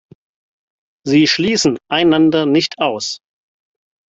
Sie schließen einander nicht aus.